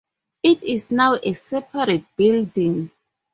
It is now in a separate building.